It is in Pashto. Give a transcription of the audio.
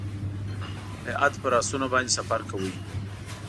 هیات پر آسونو باندې سفر کاوه.